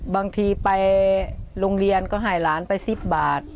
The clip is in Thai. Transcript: บางทีไปโรงเรียนก็ให้หลานไป๑๐บาท